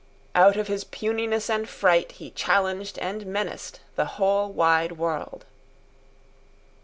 Out of his puniness and fright he challenged and menaced the whole wide world.